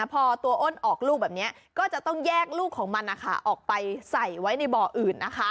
พอตัวอ้นออกลูกแบบนี้ก็จะต้องแยกลูกของมันออกไปใส่ไว้ในบ่ออื่นนะคะ